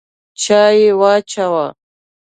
چای واچوه!